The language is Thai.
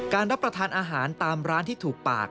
รับประทานอาหารตามร้านที่ถูกปาก